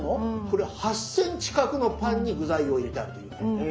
これ８ｃｍ角のパンに具材を入れてあるというね。